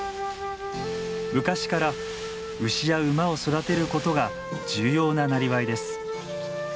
昔から牛や馬を育てることが重要ななりわいです。